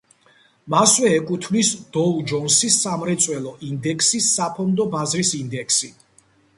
მასვე ეკუთვნის დოუ ჯონსის სამრეწველო ინდექსის საფონდო ბაზრის ინდექსი.